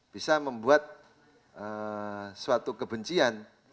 bisa membuat suatu kebencian